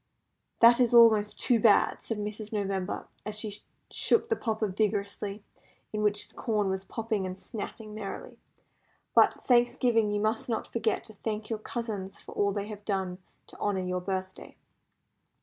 "That is almost too bad," said Mrs. November, as she shook the popper vigorously in which the corn was popping and snapping merrily; "but, Thanksgiving, you must not forget to thank your cousins for all they have done to honour your birthday."